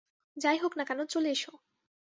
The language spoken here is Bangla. যাই হোক না কেন, চলে এসো।